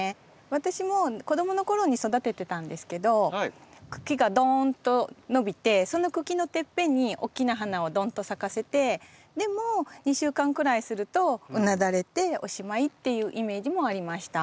私も子供の頃に育ててたんですけど茎がドーンと伸びてその茎のてっぺんに大きな花をドンと咲かせてでも２週間くらいするとうなだれておしまいっていうイメージもありました。